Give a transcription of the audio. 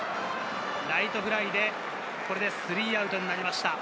ライトフライで３アウトになりました。